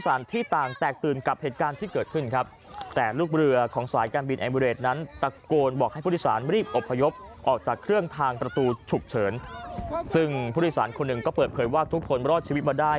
สารคนหนึ่งก็เปิดเผยว่าทุกคนรอดชีวิตมาได้